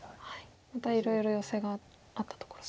またいろいろヨセがあったところと。